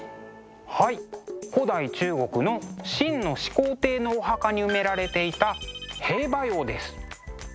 はい古代中国の秦の始皇帝のお墓に埋められていた兵馬俑です。